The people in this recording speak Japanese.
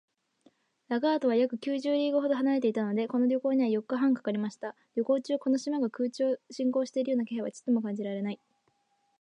ラガードは約九十リーグほど離れていたので、この旅行には四日半かかりました。旅行中、この島が空中を進行しているような気配はちょっとも感じられない